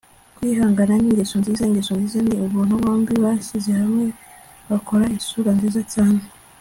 kwihangana ni ingeso nziza, ingeso nziza ni ubuntu; bombi bashyize hamwe bakora isura nziza cyane